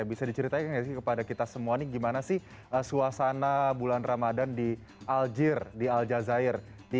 bisa diceritain nggak sih kepada kita semua nih gimana sih suasana bulan ramadan di al jir di al jazair